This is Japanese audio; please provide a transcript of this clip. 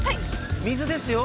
水ですよ